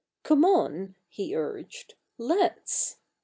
"Come on," he urged; "let's!"